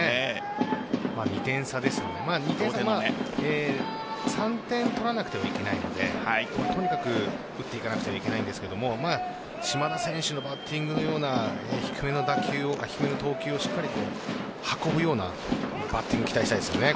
２点差ですので３点取らなくてはいけないのでとにかく打っていかなければいけないんですが島田選手のバッティングのような低めの投球を運ぶようなバッティングに期待したいですね